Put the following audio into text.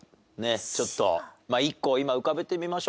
ちょっと１個今浮かべてみましょう。